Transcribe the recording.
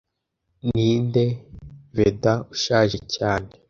Ninde Veda ushaje cyane